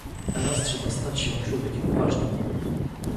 "Raz trzeba stać się człowiekiem poważnym!"